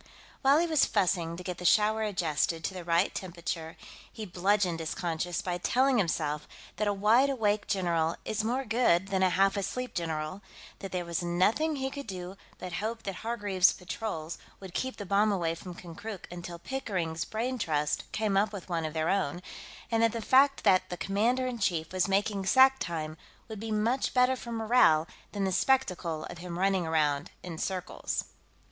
While he was fussing to get the shower adjusted to the right temperature, he bludgeoned his conscience by telling himself that a wide awake general is more good than a half asleep general, that there was nothing he could do but hope that Hargreaves's patrols would keep the bomb away from Konkrook until Pickering's brain trust came up with one of their own, and that the fact that the commander in chief was making sack time would be much better for morale than the spectacle of him running around in circles.